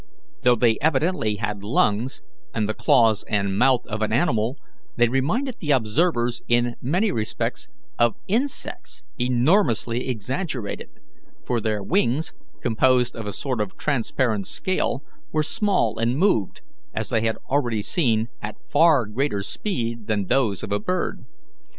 Though they had evidently lungs, and the claws and mouth of an animal, they reminded the observers in many respects of insects enormously exaggerated, for their wings, composed of a sort of transparent scale, were small, and moved, as they had already seen, at far greater speed than those of a bird.